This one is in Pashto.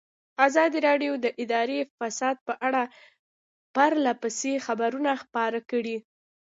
ازادي راډیو د اداري فساد په اړه پرله پسې خبرونه خپاره کړي.